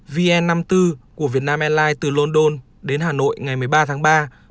vn năm mươi bốn của vietnam airlines từ london đến hà nội ngày một mươi ba tháng ba